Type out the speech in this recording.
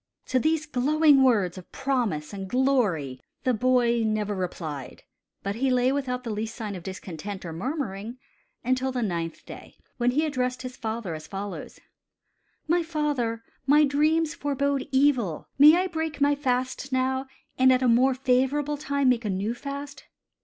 To these glowing words of promise and glory the boy never replied, but he lay without the least sign of discontent or murmuring until the ninth day, when he addressed his father as follows: "My father, my dreams forbode evil. May I break my fast now, and at a more favorable time make a new fast?"